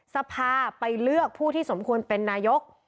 สภาไปเลือกผู้ที่สมควรเป็นนายก